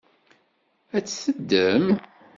Ad t-teddem?